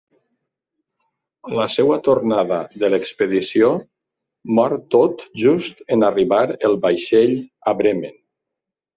A la seva tornada de l'expedició, mor tot just en arribar el vaixell a Bremen.